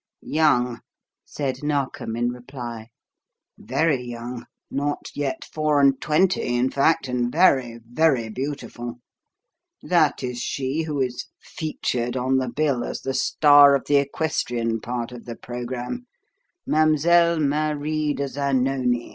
"Young," said Narkom in reply. "Very young, not yet four and twenty, in fact, and very, very beautiful. That is she who is 'featured' on the bill as the star of the equestrian part of the programme: 'Mlle. Marie de Zanoni.'